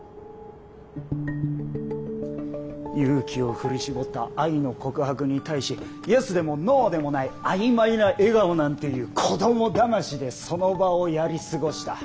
勇気を振り絞った愛の告白に対しイエスでもノーでもない曖昧な笑顔なんていう子どもだましでその場をやり過ごした。